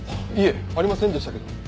いえありませんでしたけど。